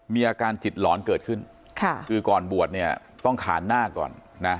มีอาการจิตหลอนเกิดขึ้นคือก่อนบวชเนี่ยต้องขานหน้าก่อนนะ